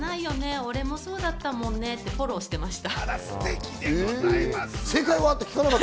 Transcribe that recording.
俺もそうだったもんねってフォローしていました。